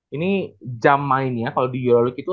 ini jam mainnya kalau di eurolik itu